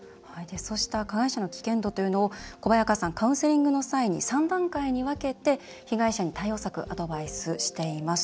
そうした加害者の危険度を小早川さんカウンセリングの際に３段階に分けて、被害者にアドバイスしています。